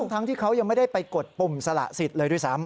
ทั้งที่เขายังไม่ได้ไปกดปุ่มสละสิทธิ์เลยด้วยซ้ำ